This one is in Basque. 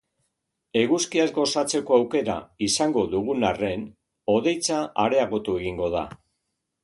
Eguzkiaz gozatzeko aukera izango dugun arren, hodeitza areagotu egingo da.